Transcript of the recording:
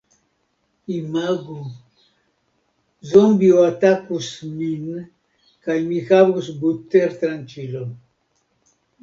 Imagu... zombio atakus min kaj mi havus butertranĉilon